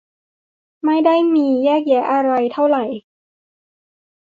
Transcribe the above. ไม่ได้มีแยกอะไรเท่าไหร่